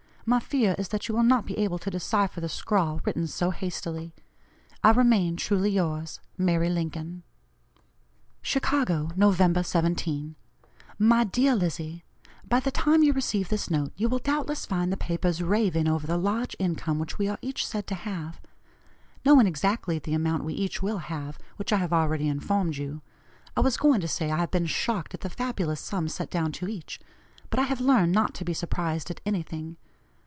My fear is that you will not be able to decipher the scrawl written so hastily. "I remain, truly yours, "MARY LINCOLN." "CHICAGO, Nov. 17. "MY DEAR LIZZIE: By the time you receive this note, you will doubtless find the papers raving over the large income which we are each said to have. Knowing exactly the amount we each will have, which I have already informed you, I was going to say, I have been shocked at the fabulous sum set down to each, but I have learned not to be surprised at anything.